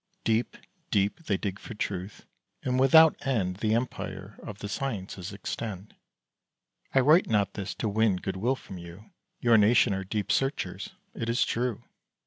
Deep, deep they dig for truth, and without end The empire of the sciences extend. I write not this to win good will from you; Your nation are deep searchers, it is true.